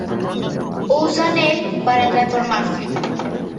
Usan el para transformarse.